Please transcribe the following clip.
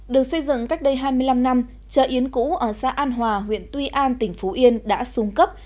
được xây dựng cách đây hai mươi năm năm chợ yến cũ ở xã an hòa huyện tuy an tỉnh phú yên đã xuống cấp